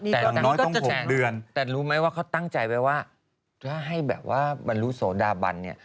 แต่รู้ไหมว่าเขาตั้งใจไปว่าถ้าให้แบบว่าบรรลุโสดาบันเนี่ย